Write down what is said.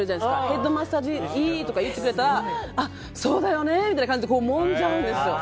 ヘッドマッサージいいとか言ってくれるとそうだよねみたいな感じで揉んじゃうんですよ。